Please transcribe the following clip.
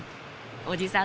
おじさん